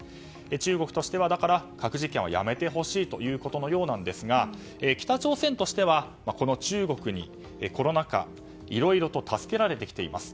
中国としては、だから核実験をやめてほしいということのようなんですが北朝鮮としてはこの中国にコロナ禍いろいろと助けられてきています。